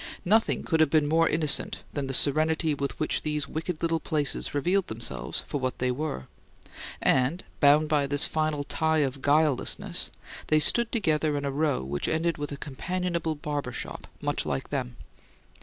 Nothing could have been more innocent than the serenity with which these wicked little places revealed themselves for what they were; and, bound by this final tie of guilelessness, they stood together in a row which ended with a companionable barbershop, much like them.